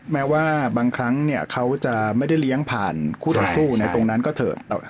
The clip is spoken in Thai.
แม้ว่าบางครั้งเขาจะไม่ได้เลี้ยงผ่านคู่ต่อสู้ในตรงนั้นก็เถอะ